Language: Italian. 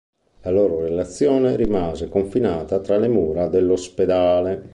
La loro relazione rimase confinata tra le mura dell'ospedale.